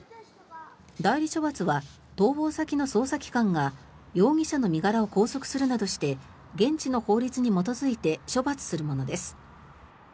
代理処罰は逃亡先の捜査機関が容疑者の身柄を拘束するなどして現地の法律に基づいて処罰するものです。